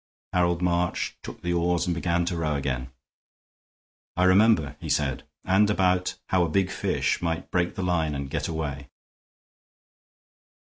Harold March took the oars and began to row again. "I remember," he said, "and about how a big fish might break the line and get away."